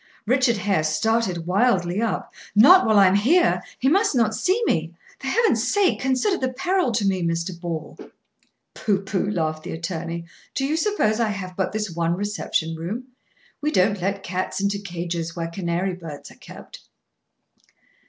Richard Hare started wildly up. "Not while I am here; he must not see me. For Heaven's sake, consider the peril to me, Mr. Ball!" "Pooh, pooh!" laughed the attorney. "Do you suppose I have but this one reception room? We don't let cats into cages where canary birds are kept."